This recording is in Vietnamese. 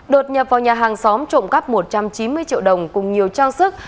đột nhập vào nhà hàng xóm trộm cắp một trăm chín mươi triệu đồng cùng nhiều trang sức